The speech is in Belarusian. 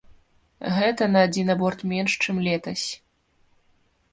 Гэта на адзін аборт менш, чым летась.